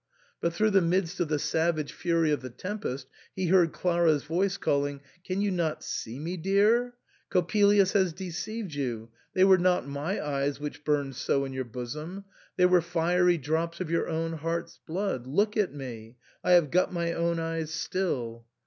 But through the midst of the savage fury of the tem pest he heard Clara's voice calling, " Can you not see me, dear ? Coppelius has deceived you ; they were not my eyes which burned so in your bosom ; they were fiery drops of your own heart's blood. Look at me, I have got my own eyes still.